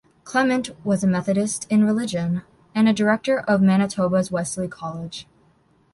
Clement was a Methodist in religion, and a director of Manitoba's Wesley College.